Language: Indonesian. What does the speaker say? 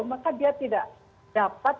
maka dia tidak dapat